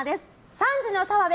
３児の澤部！